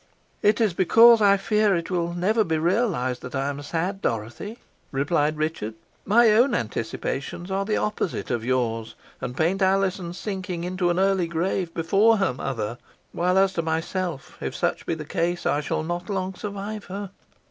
"It is because I fear it will never be realized that I am sad, Dorothy," replied Richard. "My own anticipations are the opposite of yours, and paint Alizon sinking into an early grave before her mother; while as to myself, if such be the case, I shall not long survive her."